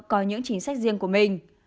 có những chính sách riêng của mình